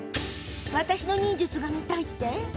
私の忍術が見たいって？